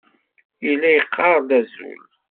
Yella yeqqar-d azul.